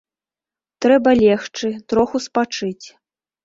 Трэба легчы, троху спачыць.